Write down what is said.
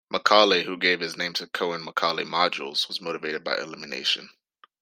Macaulay, who gave his name to Cohen-Macaulay modules, was motivated by elimination.